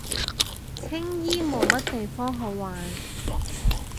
青衣冇乜地方好玩